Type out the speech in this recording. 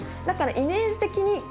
だからイメージ的に。